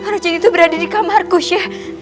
racun itu berada di kamarku shea